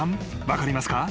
分かりますか？］